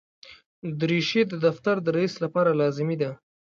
دریشي د دفتر د رئیس لپاره لازمي ده.